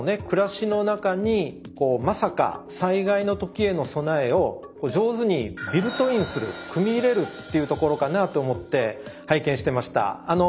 暮らしの中にまさか災害の時への備えを上手にビルトインする組み入れるっていうところかなと思って拝見してました。